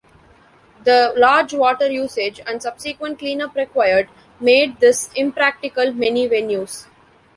The large water usage and subsequent cleanup required made this impractical many venues.